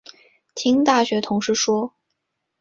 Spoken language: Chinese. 听大学同事说